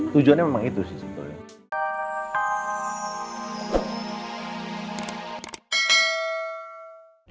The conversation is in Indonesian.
tujuannya memang itu sih